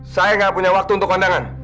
saya gak punya waktu untuk kondangan